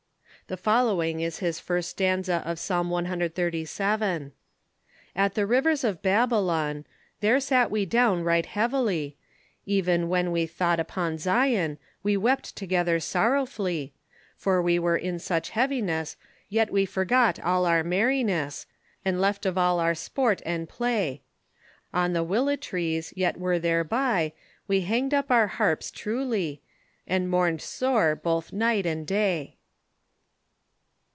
The following is his first stanza of Psalm cxxxvii.: 250 THE KEFORMATION "At the rivers of Babiloa there sat we doune ryght hevely Eveu whan we thought upon Sion we wept together sorofully for we were in soch hevynes y' we forgat al our merynes and left of all our sporte and playe on the willj'e trees y' were therby we hanged up our harpes truly And morned sore both night and day."